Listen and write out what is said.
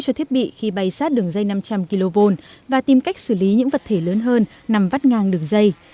cho thiết bị khi bay sát đường dây năm trăm linh kv và tìm cách xử lý những vật thể lớn hơn nằm vắt ngang đường dây